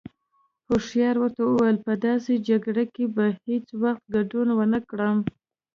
هوښيار ورته وويل: په داسې جگړه کې به هیڅ وخت گډون ونکړم.